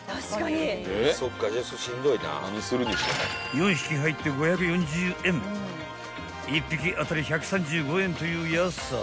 ［４匹入って５４０円１匹当たり１３５円という安さ］